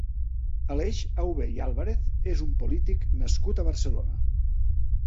Aleix Auber i Álvarez és un polític nascut a Barcelona.